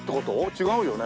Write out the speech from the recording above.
違うよね？